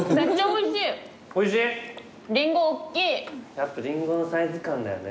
やっぱリンゴのサイズ感だよね